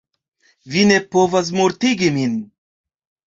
Vi ne povas mortigi min!